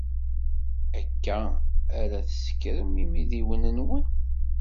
Akka ara tsekkrem imidiwen-nwen?